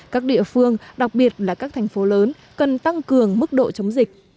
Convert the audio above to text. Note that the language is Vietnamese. các địa phương đặc biệt là các thành phố lớn cần tăng cường mức độ chống dịch